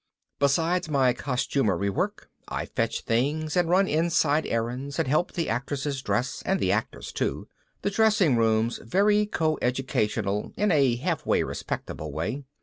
Besides my costumery work, I fetch things and run inside errands and help the actresses dress and the actors too. The dressing room's very coeducational in a halfway respectable way.